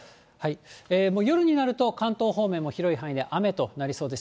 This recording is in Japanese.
もう夜になると、関東方面も広い範囲で雨となりそうです。